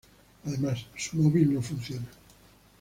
Además, su móvil no funciona.